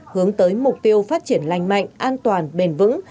hướng tới mục tiêu phát triển lành mạnh an toàn bền vững